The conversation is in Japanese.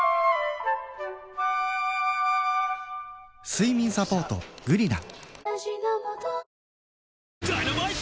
睡眠サポート「グリナ」